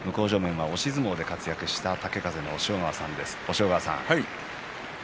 向正面、押し相撲で活躍した豪風、押尾川さんです。